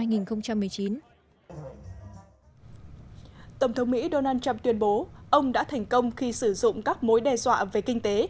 tổng thống mỹ donald trump tuyên bố ông đã thành công khi sử dụng các mối đe dọa về kinh tế